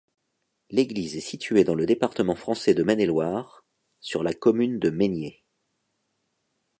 L'église est située dans le département français de Maine-et-Loire, sur la commune de Meigné.